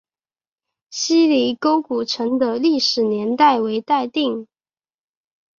希里沟古城的历史年代为待定。